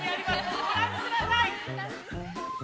◆ご覧ください！